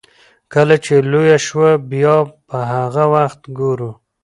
کله چې لويه شوه بيا به هغه وخت ګورو.